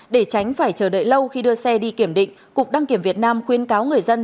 để tránh phải chờ đợi lâu khi đưa xe đi kiểm định cục đăng kiểm việt nam khuyên cáo người dân